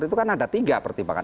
itu kan ada tiga pertimbangan